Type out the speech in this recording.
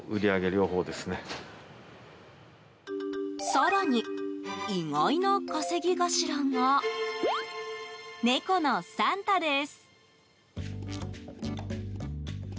更に意外な稼ぎ頭が猫の、さんたです。